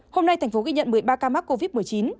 hôm nay thành phố ghi nhận một mươi ba ca mắc covid một mươi chín